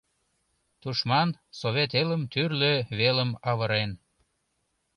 Тушман Совет элым тӱрлӧ велым авырен.